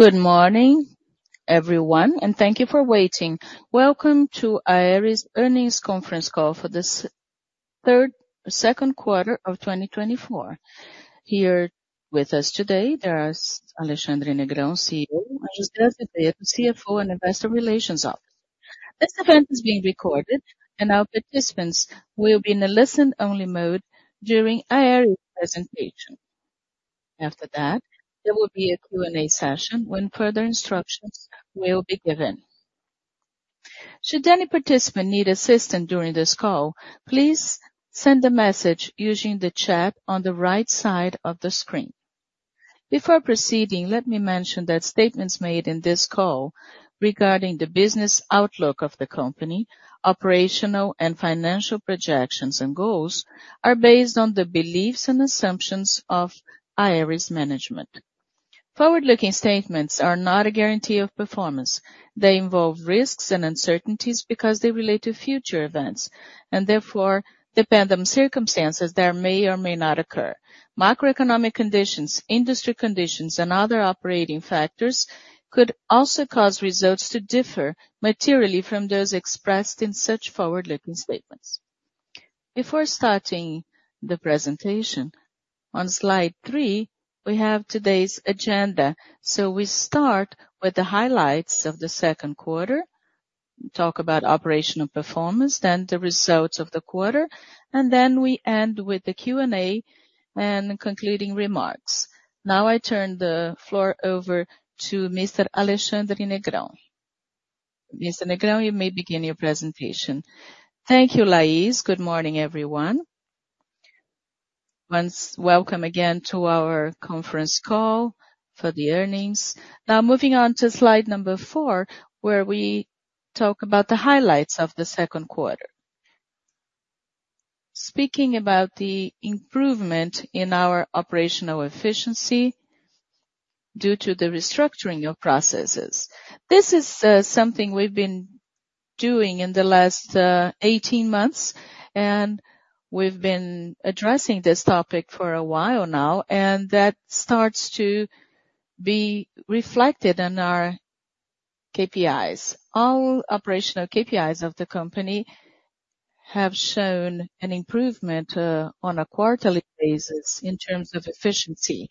Good morning, everyone, and thank you for waiting. Welcome to Aeris Earnings Conference call for this second quarter of 2024. Here with us today there is Alexandre Negrão, CEO, and José Azevedo, CFO and Investor Relations Officer. This event is being recorded, and our participants will be in a listen-only mode during Aeris presentation. After that, there will be a Q&A session when further instructions will be given. Should any participant need assistance during this call, please send a message using the chat on the right side of the screen. Before proceeding, let me mention that statements made in this call regarding the business outlook of the company, operational and financial projections and goals, are based on the beliefs and assumptions of Aeris management. Forward-looking statements are not a guarantee of performance. They involve risks and uncertainties because they relate to future events and therefore depend on circumstances that may or may not occur. Macroeconomic conditions, industry conditions, and other operating factors could also cause results to differ materially from those expressed in such forward-looking statements. Before starting the presentation, on slide three, we have today's agenda. We start with the highlights of the second quarter, talk about operational performance, then the results of the quarter, and then we end with the Q&A and concluding remarks. Now I turn the floor over to Mr. Alexandre Negrão. Mr. Negrão, you may begin your presentation. Thank you, Laís. Good morning, everyone. Once again, welcome to our conference call for the earnings. Now moving on to slide number four, where we talk about the highlights of the second quarter. Speaking about the improvement in our operational efficiency due to the restructuring of processes. This is something we've been doing in the last 18 months, and we've been addressing this topic for a while now, and that starts to be reflected in our KPIs. All operational KPIs of the company have shown an improvement on a quarterly basis in terms of efficiency,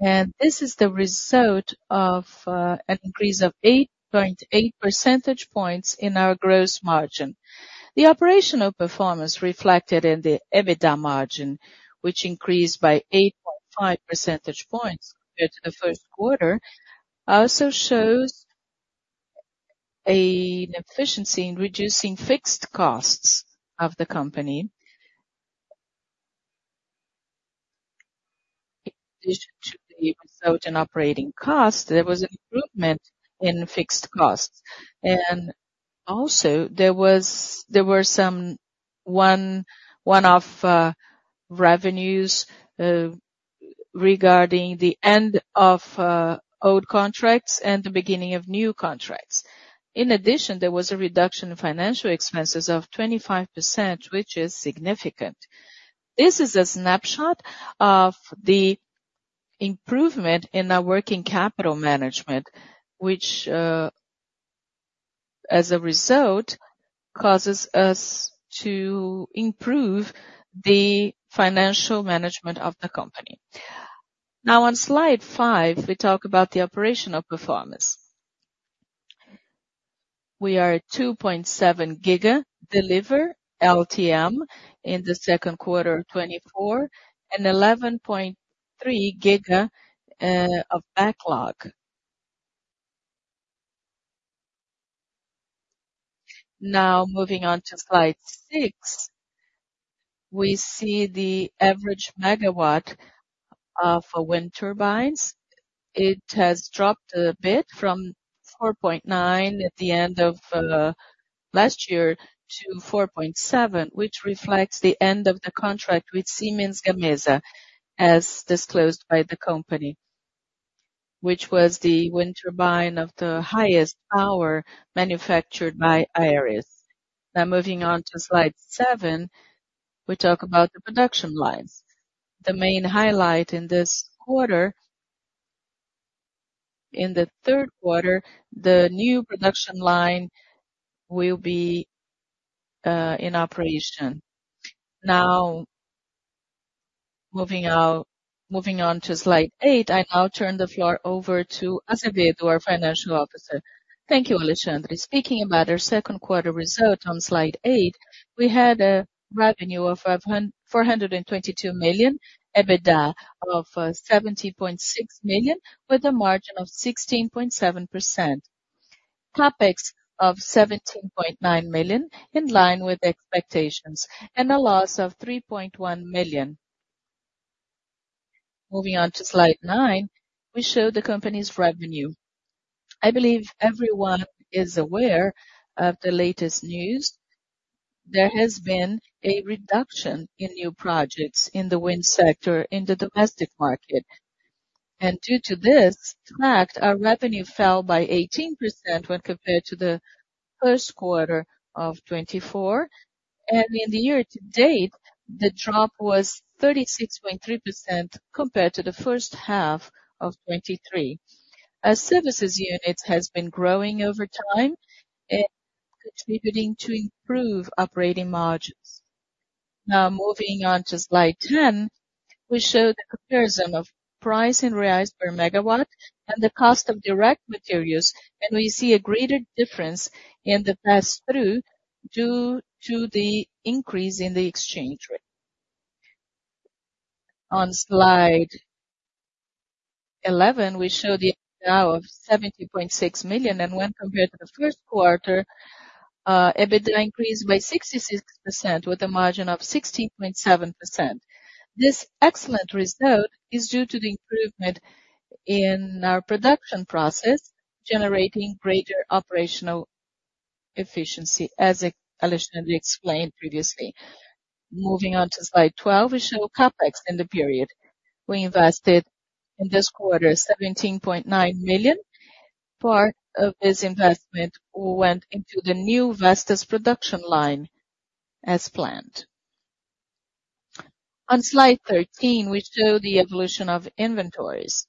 and this is the result of an increase of 8.8 percentage points in our Gross Margin. The operational performance reflected in the EBITDA margin, which increased by 8.5 percentage points compared to the first quarter, also shows an efficiency in reducing fixed costs of the company. In addition to the result in operating costs, there was an improvement in fixed costs. And also there were some one-off revenues regarding the end of old contracts and the beginning of new contracts. In addition, there was a reduction in financial expenses of 25%, which is significant. This is a snapshot of the improvement in our working capital management, which, as a result, causes us to improve the financial management of the company. Now on slide five, we talk about the operational performance. We are at 2.7 GW deliver LTM in the second quarter of 2024 and 11.3 GW of backlog. Now moving on to slide six, we see the average megawatt for wind turbines. It has dropped a bit from 4.9 at the end of last year to 4.7, which reflects the end of the contract with Siemens Gamesa, as disclosed by the company, which was the wind turbine of the highest power manufactured by Aeris. Now, moving on to slide seven, we talk about the production lines. The main highlight in this quarter, in the third quarter, the new production line will be in operation. Now, moving on to slide eight, I now turn the floor over to Azevedo, our Financial Officer. Thank you, Alexandre. Speaking about our second quarter result on slide eight, we had a revenue of 422 million, EBITDA of 70.6 million, with a margin of 16.7%. CapEx of 17.9 million, in line with expectations, and a loss of 3.1 million. Moving on to slide nine, we show the company's revenue. I believe everyone is aware of the latest news. There has been a reduction in new projects in the wind sector, in the domestic market, and due to this fact, our revenue fell by 18% when compared to the-... First quarter of 2024, and in the year to date, the drop was 36.3% compared to the first half of 2023. Our services unit has been growing over time and contributing to improve operating margins. Now, moving on to slide 10, we show the comparison of price in BRL per megawatt and the cost of direct materials, and we see a greater difference in the pass-through due to the increase in the exchange rate. On slide 11, we show the EBITDA of 70.6 million, and when compared to the first quarter, EBITDA increased by 66% with a margin of 16.7%. This excellent result is due to the improvement in our production process, generating greater operational efficiency, as Alexandre explained previously. Moving on to slide 12, we show CapEx in the period. We invested in this quarter 17.9 million. Part of this investment went into the new Vestas production line as planned. On slide 13, we show the evolution of inventories.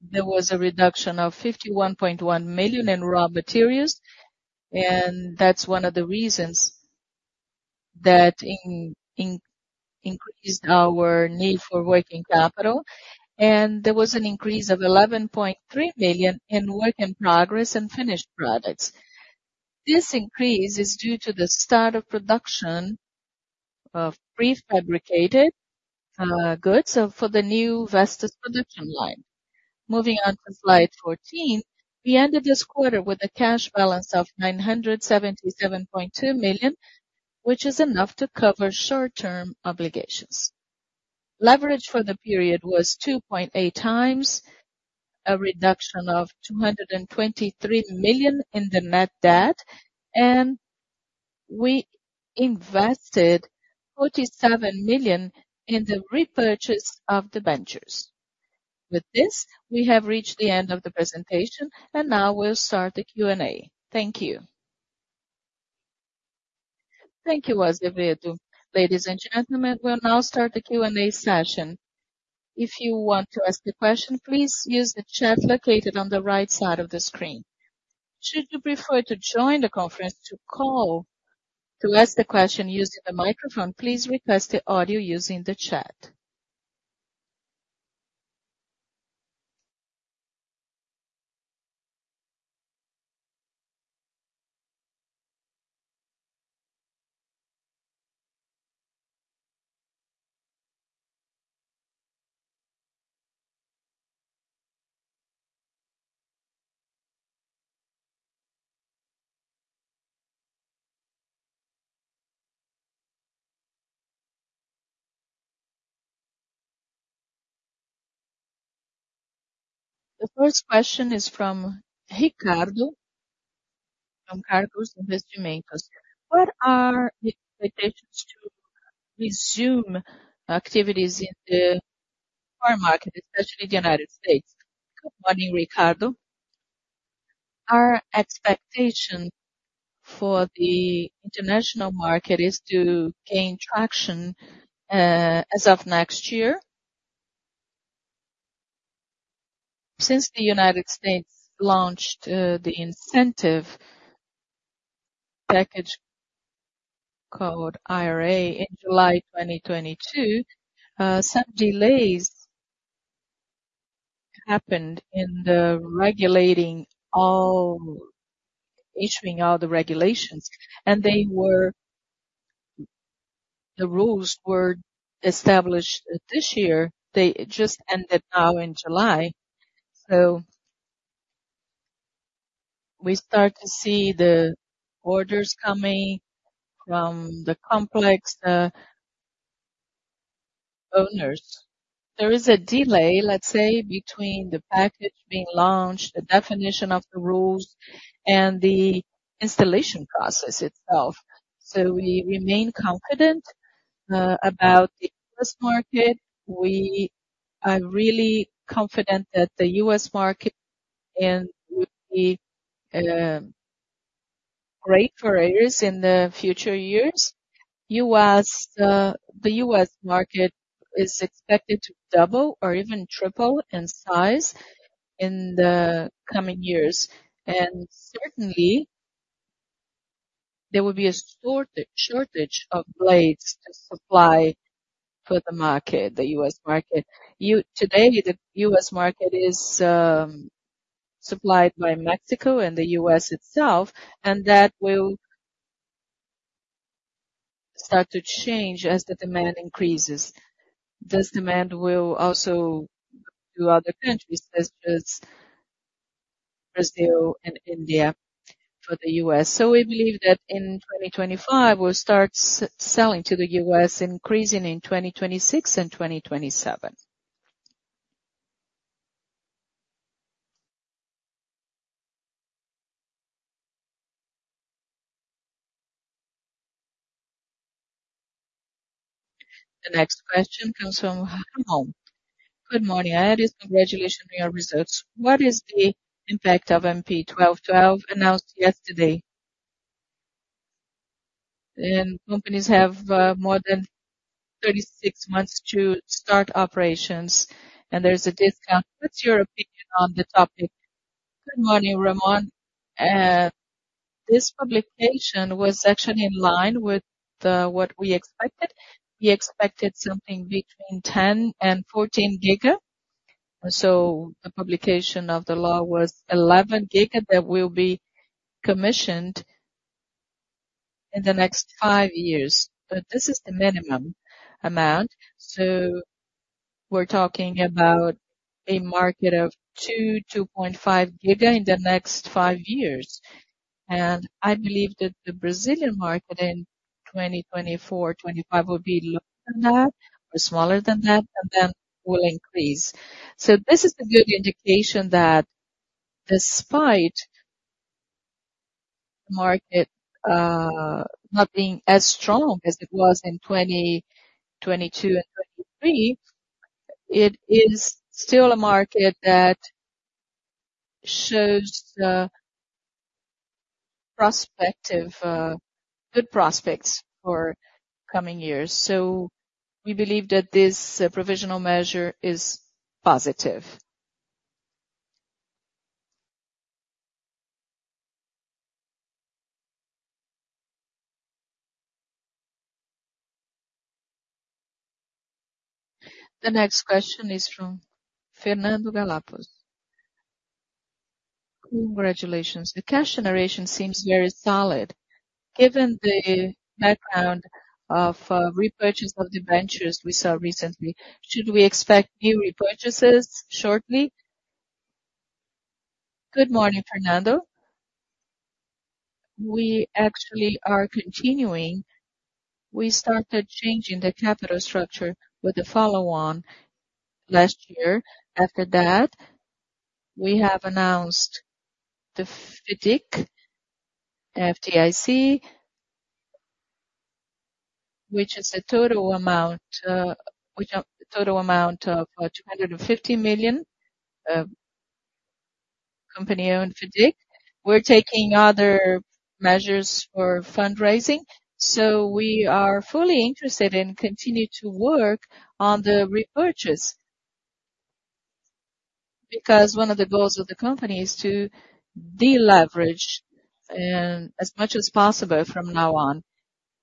There was a reduction of 51.1 million in raw materials, and that's one of the reasons that increased our need for working capital, and there was an increase of 11.3 million in work in progress and finished products. This increase is due to the start of production of prefabricated goods for the new Vestas production line. Moving on to slide 14, we ended this quarter with a cash balance of 977.2 million, which is enough to cover short-term obligations. Leverage for the period was 2.8 times, a reduction of 223 million in the net debt, and we invested 47 million in the repurchase of the debentures. With this, we have reached the end of the presentation, and now we'll start the Q&A. Thank you. Thank you, Azevedo. Ladies and gentlemen, we'll now start the Q&A session. If you want to ask the question, please use the chat located on the right side of the screen. Should you prefer to join the conference call to ask the question using the microphone, please request the audio using the chat. The first question is from Ricardo, from Kairós Investimentos. What are the expectations to resume activities in the foreign market, especially the United States? Good morning, Ricardo. Our expectation for the international market is to gain traction, as of next year. Since the United States launched the incentive package called IRA in July 2022, some delays happened in issuing all the regulations, and they were... The rules were established, this year. They just ended now in July. So we start to see the orders coming from the complex owners. There is a delay, let's say, between the package being launched, the definition of the rules, and the installation process itself. So we remain confident about the U.S. market. We are really confident that the U.S. market and will be great for Aeris in the future years. U.S., the U.S. market is expected to double or even triple in size in the coming years, and certainly, there will be a shortage of blades to supply for the market, the U.S. market. Today, the U.S. market is supplied by Mexico and the U.S. itself, and that will start to change as the demand increases. This demand will also go to other countries, such as Brazil and India, for the U.S.. So we believe that in 2025, we'll start selling to the U.S., increasing in 2026 and 2027. The next question comes from Ramon. Good morning, Aeris. Congratulations on your results. What is the impact of MP 1,212 announced yesterday? And companies have more than 36 months to start operations, and there's a discount. What's your opinion on the topic? Good morning, Ramon. This publication was actually in line with what we expected. We expected something between 10GW and 14GW. So the publication of the law was 11 GW, that will be commissioned in the next five years. But this is the minimum amount, so we're talking about a market of 2 GW-2.5 GW in the next five years. And I believe that the Brazilian market in 2024, 2025 will be lower than that or smaller than that, and then will increase. So this is a good indication that despite market not being as strong as it was in 2022 and 2023, it is still a market that shows the prospective good prospects for coming years. So we believe that this provisional measure is positive. The next question is from Fernando from Galápagos. Congratulations. The cash generation seems very solid. Given the background of repurchase of debentures we saw recently, should we expect new repurchases shortly? Good morning, Fernando. We actually are continuing. We started changing the capital structure with the follow-on last year. After that, we have announced the FIDC, FIDC, which is a total amount which a total amount of BRL 250 million company-owned FDIC. We're taking other measures for fundraising, so we are fully interested and continue to work on the repurchase. Because one of the goals of the company is to deleverage as much as possible from now on,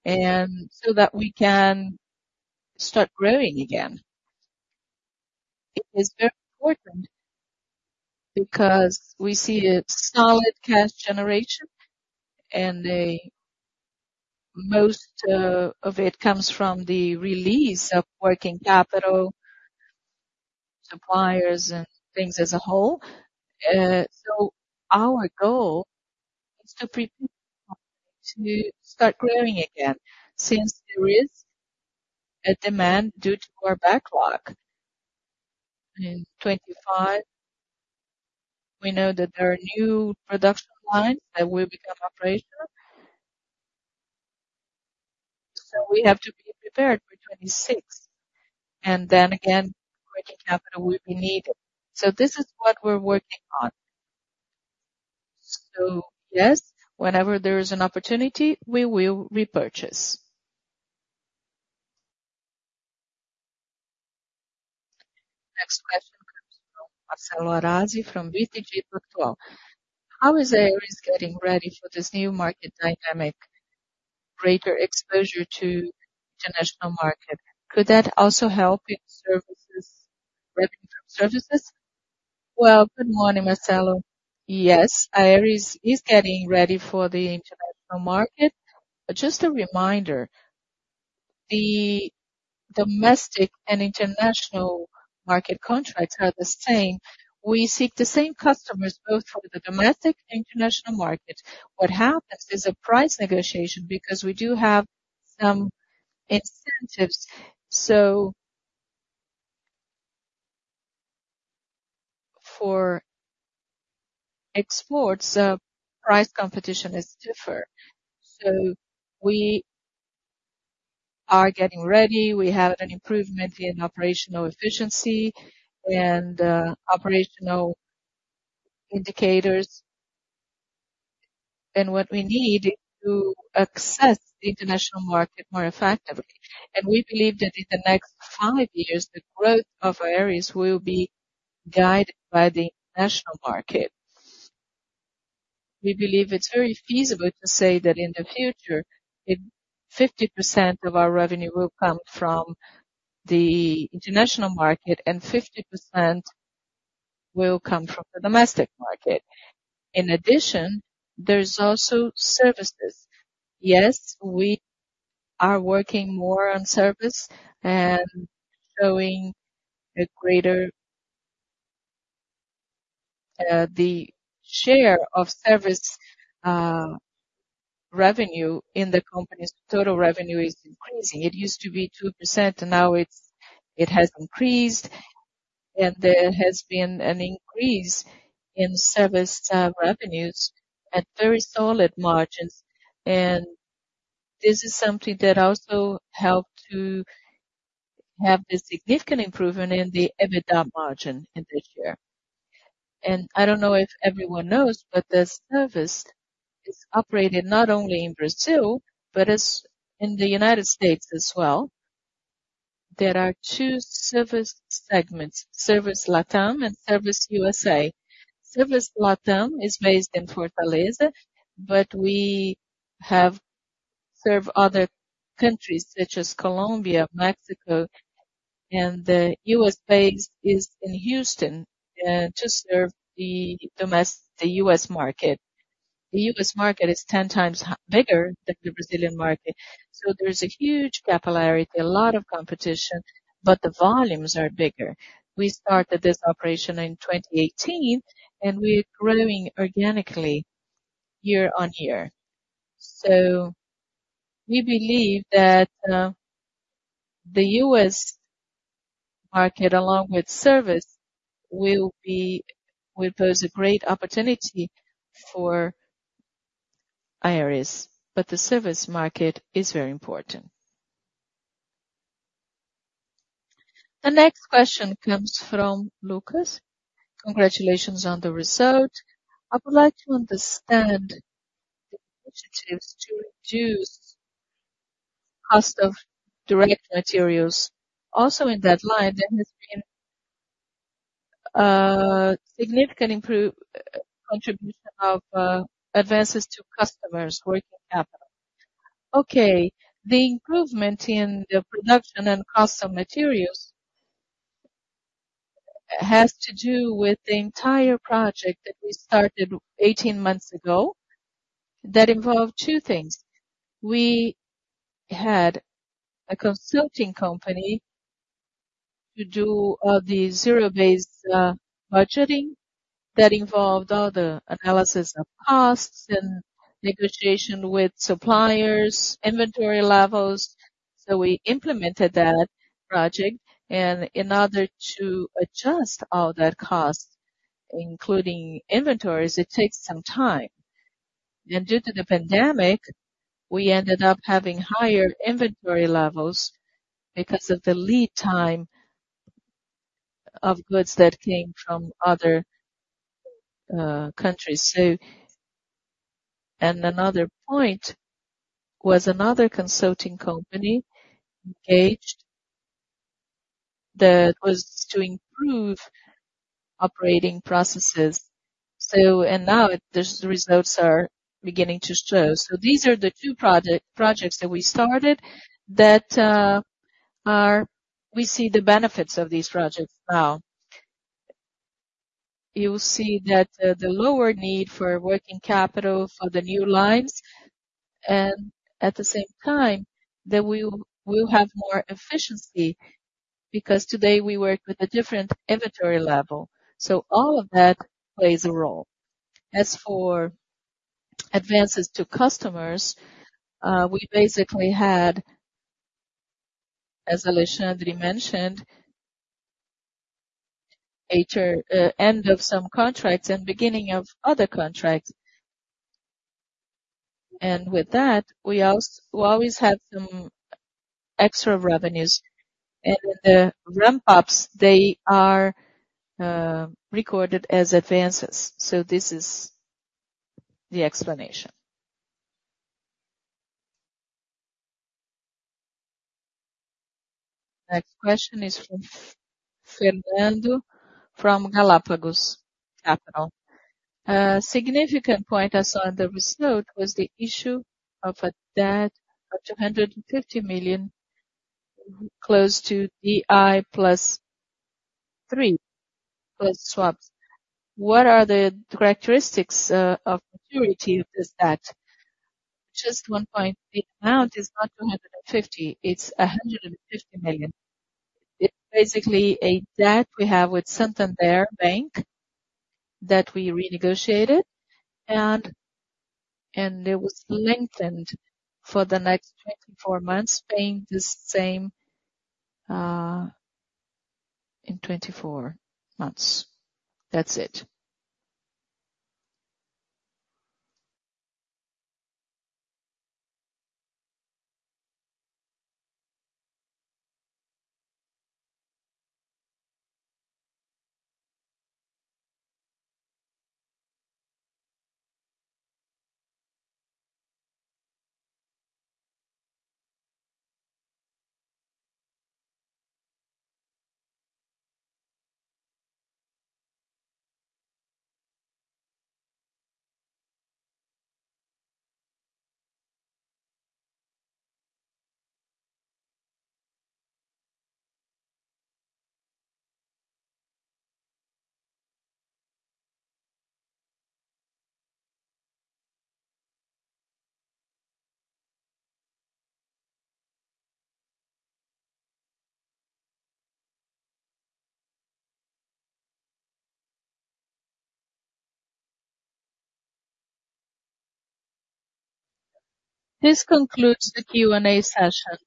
and so that we can start growing again. It is very important because we see a solid cash generation, and a most of it comes from the release of working capital, suppliers, and things as a whole. So our goal is to prepare to start growing again, since there is a demand due to our backlog. In 2025, we know that there are new production lines that will become operational. So we have to be prepared for 2026, and then again, working capital will be needed. So this is what we're working on. So yes, whenever there is an opportunity, we will repurchase. Next question comes from Marcelo Arazi, from BTG Pactual. How is Aeris getting ready for this new market dynamic, greater exposure to international market? Could that also help in services, revenue from services? Well, good morning, Marcelo. Yes, Aeris is getting ready for the international market. But just a reminder, the domestic and international market contracts are the same. We seek the same customers, both for the domestic and international market. What happens is a price negotiation, because we do have some incentives. So for exports, price competition is different. So we are getting ready. We have an improvement in operational efficiency and operational indicators. And what we need is to access the international market more effectively. And we believe that in the next five years, the growth of Aeris will be guided by the international market. We believe it's very feasible to say that in the future, 50% of our revenue will come from the international market and 50% will come from the domestic market. In addition, there's also services. Yes, we are working more on service and showing a greater... the share of service revenue in the company's total revenue is increasing. It used to be 2%, and now it has increased. And there has been an increase in service revenues at very solid margins, and this is something that also helped to have a significant improvement in the EBITDA margin in this year. And I don't know if everyone knows, but the service is operated not only in Brazil, but it's in the United States as well. There are two service segments, Service Latam and Service USA. Service Latam is based in Fortaleza, but we have served other countries, such as Colombia, Mexico, and the U.S. base is in Houston, to serve the U.S. market. The U.S. market is ten times bigger than the Brazilian market, so there's a huge capillarity, a lot of competition, but the volumes are bigger. We started this operation in 2018, and we're growing organically year-on-year. So we believe that the U.S. market, along with service, will pose a great opportunity for Aeris, but the service market is very important. The next question comes from Lucas. Congratulations on the result. I would like to understand the initiatives to reduce cost of direct materials. Also, in that line, there has been significant contribution of advances to customers working capital. Okay, the improvement in the production and cost of materials has to do with the entire project that we started 18 months ago, that involved two things. We had a consulting company to do the zero-based budgeting. That involved all the analysis of costs and negotiation with suppliers, inventory levels. So we implemented that project, and in order to adjust all that cost, including inventories, it takes some time. And due to the pandemic, we ended up having higher inventory levels because of the lead time of goods that came from other countries, so. And another point was another consulting company engaged, that was to improve operating processes. So, and now the results are beginning to show. So these are the two project, projects that we started that are we see the benefits of these projects now. You will see that, the lower need for working capital for the new lines, and at the same time, that we will have more efficiency, because today we work with a different inventory level. So all of that plays a role. As for advances to customers, we basically had, as Alexandre mentioned, end of some contracts and beginning of other contracts. And with that, we always have some extra revenues. And the ramp-ups, they are recorded as advances. So this is the explanation. Next question is from Fernando, from Galápagos Capital. A significant point I saw in the result was the issue of a debt of 250 million, close to DI + 3, plus swaps. What are the characteristics of maturity of this debt? Just one point, the amount is not 250 million, it's 150 million. It's basically a debt we have with Santander Bank, that we renegotiated, and it was lengthened for the next 24 months, paying the same in 24 months. That's it. This concludes the Q&A session.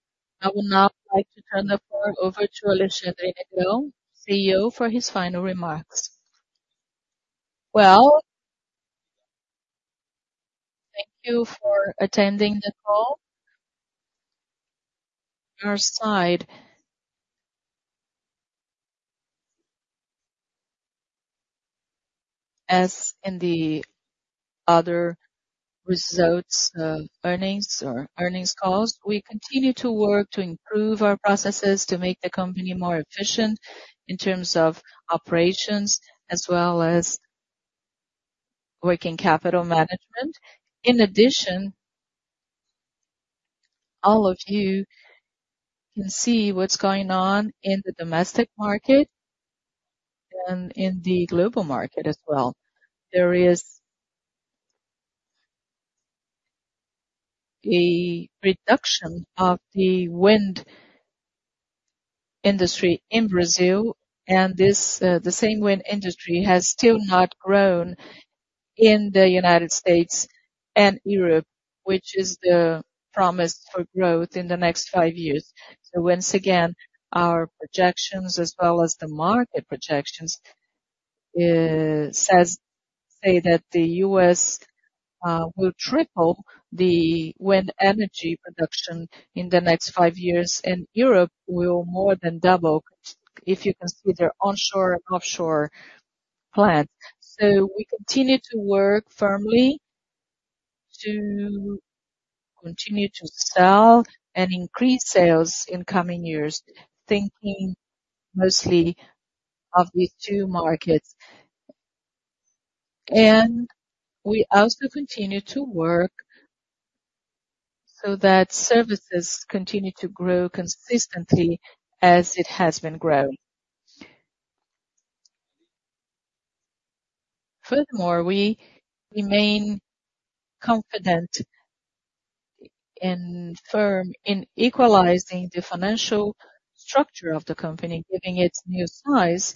I would now like to turn the floor over to Alexandre Negrão, CEO, for his final remarks. Well, thank you for attending the call. Your side. As in the other results, earnings or earnings calls, we continue to work to improve our processes, to make the company more efficient in terms of operations as well as working capital management. In addition, all of you can see what's going on in the domestic market and in the global market as well. There is a reduction of the wind industry in Brazil, and this, the same wind industry has still not grown in the United States and Europe, which is the promise for growth in the next five years. So once again, our projections as well as the market projections, say that the U.S. will triple the wind energy production in the next five years, and Europe will more than double, if you consider onshore and offshore plants. So we continue to work firmly to continue to sell and increase sales in coming years, thinking mostly of these two markets. And we also continue to work so that services continue to grow consistently as it has been growing. Furthermore, we remain confident and firm in equalizing the financial structure of the company, giving its new size,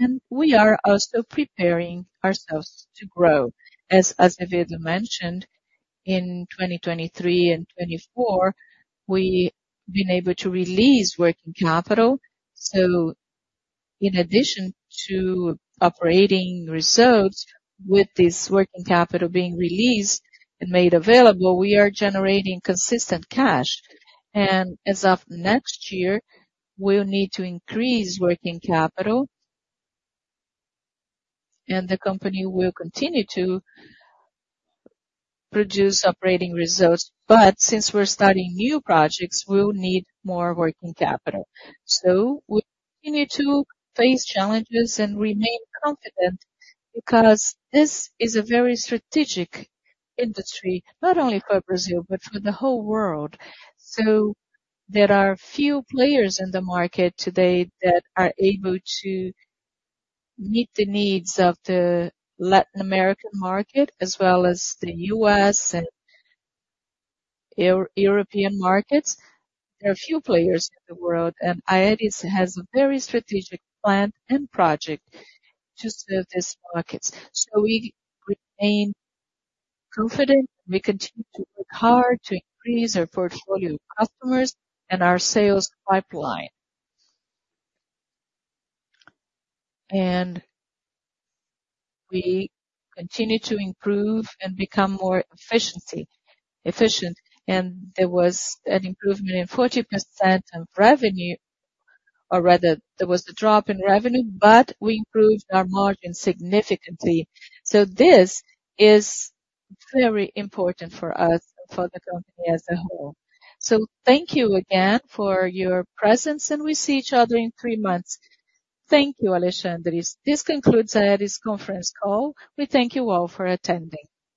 and we are also preparing ourselves to grow. As, as David mentioned, in 2023 and 2024, we've been able to release working capital. So in addition to operating results, with this working capital being released and made available, we are generating consistent cash. And as of next year, we'll need to increase working capital, and the company will continue to produce operating results. But since we're starting new projects, we'll need more working capital. So we continue to face challenges and remain confident, because this is a very strategic industry, not only for Brazil, but for the whole world. So there are few players in the market today that are able to meet the needs of the Latin American market, as well as the U.S. and European markets. There are few players in the world, and Aeris has a very strategic plan and project to serve these markets. So we remain confident, and we continue to work hard to increase our portfolio of customers and our sales pipeline. And we continue to improve and become more efficient, and there was an improvement in 40% of revenue, or rather there was a drop in revenue, but we improved our margin significantly. So this is very important for us, for the company as a whole. So thank you again for your presence, and we see each other in three months. Thank you, Alexandre. This concludes Aeris conference call. We thank you all for attending.